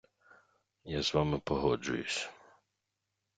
Я з вами погоджуюсь.